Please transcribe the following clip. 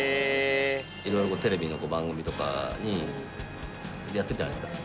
色々テレビの番組とかにやってるじゃないですか。